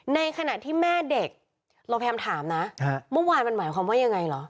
ในขณะที่แม่เด็กเราพยายามถามนะเมื่อวานมันหมายความว่ายังไงเหรอ